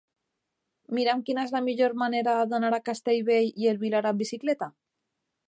Mira'm quina és la millor manera d'anar a Castellbell i el Vilar amb bicicleta.